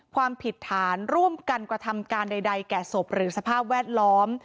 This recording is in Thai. ความผิดฐานร่วมกันกระทำการใดแก่ศพหรือสภาพแวดล้อม